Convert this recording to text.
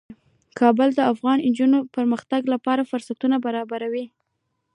کابل د افغان نجونو د پرمختګ لپاره فرصتونه برابروي.